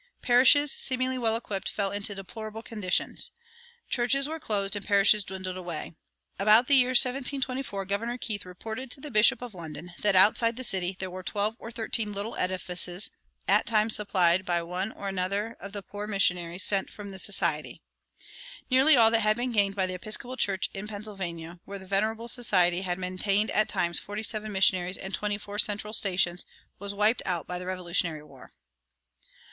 Parishes, seemingly well equipped, fell into a "deplorable condition"; churches were closed and parishes dwindled away. About the year 1724 Governor Keith reported to the Bishop of London that outside the city there were "twelve or thirteen little edifices, at times supplied by one or other of the poor missionaries sent from the society." Nearly all that had been gained by the Episcopal Church in Pennsylvania, where the "Venerable Society" had maintained at times forty seven missionaries and twenty four central stations, was wiped out by the Revolutionary War.